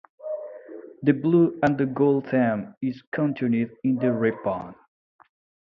The blue and gold theme is continued in the ribbon.